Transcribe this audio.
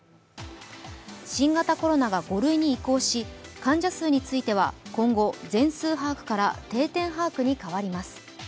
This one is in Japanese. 新型コロナが５類に移行し、患者数については今後、全数把握から定点把握に変わります。